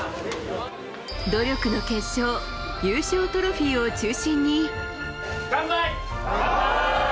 努力の結晶、優勝トロフィー乾杯！